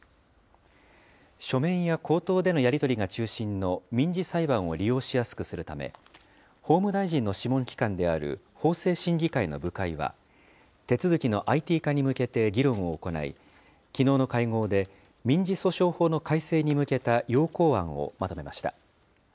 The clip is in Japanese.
書面や口頭でのやり取りが中心の民事裁判を利用しやすくするため、法務大臣の諮問機関である法制審議会の部会は、手続きのＩＴ化に向けて、議論を行い、きのうの会合で民事訴訟法の改正に向けた要綱案をまとめました。